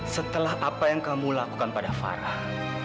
setelah apa yang kamu lakukan pada farah